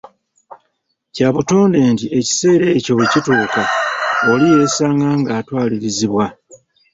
Kya butonde nti ekiseera ekyo bwe kituuka oli yeesanga nga atwalirizibbwa.